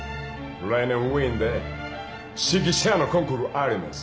来年ウィーンで指揮者のコンクールあります。